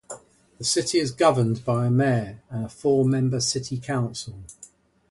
The city is governed by a mayor and a four-member City Council.